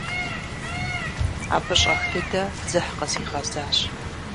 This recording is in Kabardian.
Абы щӀэх дыдэ дзыхь къызигъэзащ.